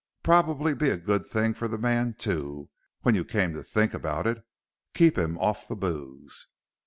Probably be a good thing for the man, too, when you came to think about it. Keep him off the booze.